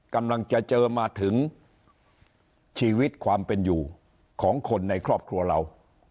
กำลังจะเจอมาถึงชีวิตความเป็นอยู่ของคนในครอบครัวเรา